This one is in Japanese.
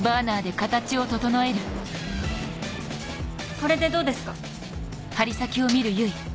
これでどうですか？